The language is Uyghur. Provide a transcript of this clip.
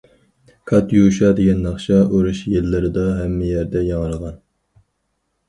‹‹ كاتيۇشا›› دېگەن ناخشا ئۇرۇش يىللىرىدا ھەممە يەردە ياڭرىغان.